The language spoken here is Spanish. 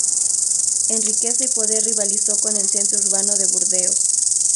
En riqueza y poder rivalizó con el centro urbano de Burdeos.